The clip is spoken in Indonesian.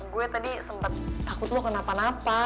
gue tadi sempat takut lo kenapa napa